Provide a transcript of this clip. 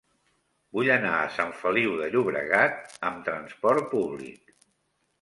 Vull anar a Sant Feliu de Llobregat amb trasport públic.